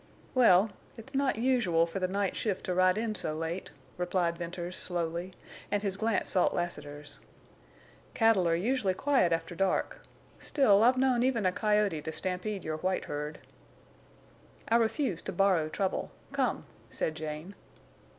"Well, it's not usual for the night shift to ride in so late," replied Venters, slowly, and his glance sought Lassiter's. "Cattle are usually quiet after dark. Still, I've known even a coyote to stampede your white herd." "I refuse to borrow trouble. Come," said Jane.